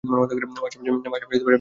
March মাসে এর ফুল ফোটে।